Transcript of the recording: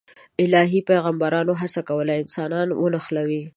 الهي پیغمبرانو هڅه کوله انسانان ونښلوي.